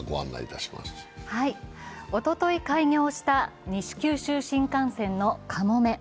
おととい開業した西九州新幹線のかもめ。